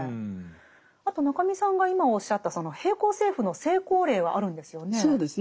あと中見さんが今おっしゃったその並行政府の成功例はあるんですよね？